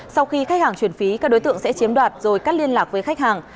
sau khi khách hàng chuyển phí các đối tượng sẽ chiếm đoạt rồi cắt liên lạc với khách hàng